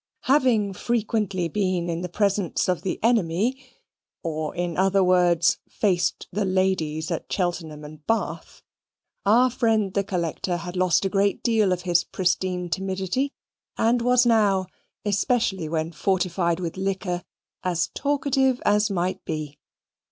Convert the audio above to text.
Having frequently been in presence of the enemy, or, in other words, faced the ladies at Cheltenham and Bath, our friend, the Collector, had lost a great deal of his pristine timidity, and was now, especially when fortified with liquor, as talkative as might be.